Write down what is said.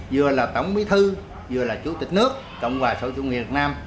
vừa là tổng bí thư vừa là chủ tịch nước cộng hòa xã hội chủ nghĩa việt nam